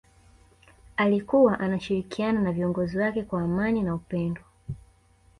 alikuwa anashirikiana na viongozi wake kwa amani na upendo